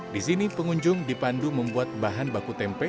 di sini pengunjung dipandu membuat bahan baku tempe